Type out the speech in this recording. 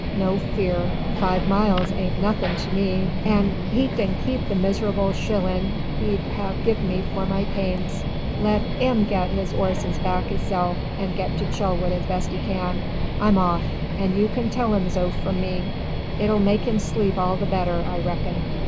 No fear. Five miles ain't nothin' to me, and 'e can keep the miserable shillin' 'e'd 'ave give me for my pains. Let 'im get 'is 'orzes back 'izelf and get to Chelwood as best 'e can. I'm off, and you can tell 'im zo from me. It'll make 'im sleep all the better, I reckon."